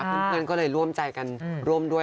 เพื่อนก็เลยร่วมใจกันร่วมด้วย